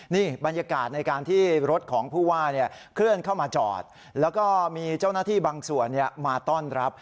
นี่บรรยากาศในการที่รถของผู้ว่าเคลื่อนเข้ามาจอดแล้วก็มีเจ้าหน้าที่บางส่วนมาต้อนรับ